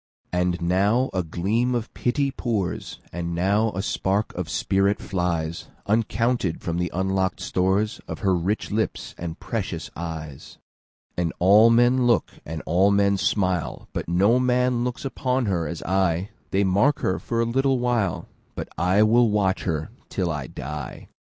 And now a gleam of pity pours, And now a spark of spirit flies, Uncounted, from the unlock'd storesOf her rich lips and precious eyes. And all men look, and all men smile, But no man looks on her as I:They mark her for a little while, But I will watch her till I die.